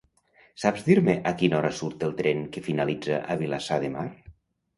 Saps dir-me a quina hora surt el tren que finalitza a Vilassar de Mar?